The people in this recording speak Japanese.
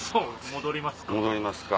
戻りますか。